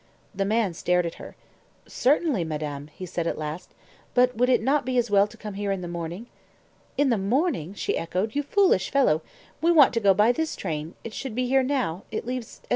The man stared at her. "Certainly, madame," he said at last; "but would it not be as well to come here in the morning?" "In the morning!" she echoed. "You foolish fellow! We want to go by this train it should be here now it leaves at 7.